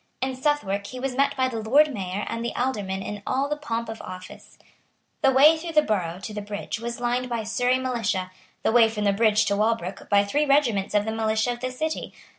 In Southwark he was met by the Lord Mayor and the Aldermen in all the pomp of office. The way through the Borough to the bridge was lined by the Surrey militia; the way from the bridge to Walbrook by three regiments of the militia of the City.